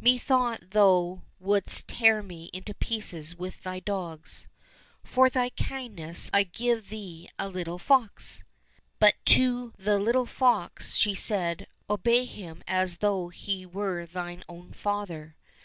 Methought thou wouldst tear me in pieces with thy dogs. For thy kindness I'll give thee a little fox." But to the little fox she said, " Obey him as though he were thine own father."